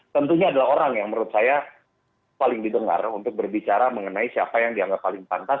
tentunya adalah orang yang menurut saya paling didengar untuk berbicara mengenai siapa yang dianggap paling pantas